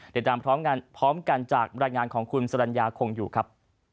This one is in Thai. เดี๋ยวตามพร้อมกันจากรายงานของคุณสลัญญาคงอยู่ครับ